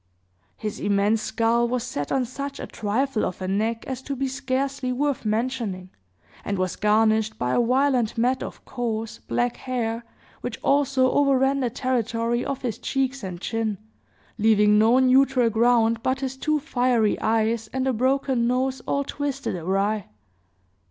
His immense skull was set on such a trifle of a neck as to be scarcely worth mentioning, and was garnished by a violent mat of coarse, black hair, which also overran the territory of his cheeks and chin, leaving no neutral ground but his two fiery eyes and a broken nose all twisted awry.